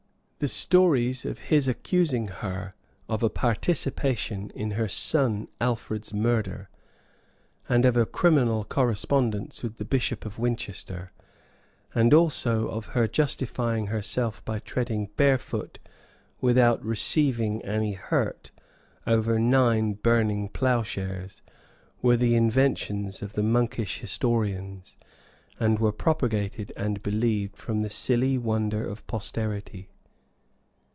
The stories of his accusing her of a participation in her son Alfred's murder, and of a criminal correspondence with the bishop of Winchester, and also of her justifying herself by treading barefoot, without receiving any hurt, over nine burning ploughshares, were the inventions of the monkish historians, and were propagated and believed from the silly wonder of posterity.